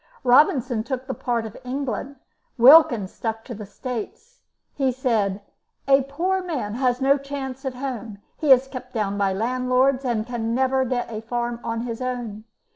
Robinson took the part of England, Wilkins stuck to the States; he said: "A poor man has no chance at home; he is kept down by landlords, and can never get a farm of his own.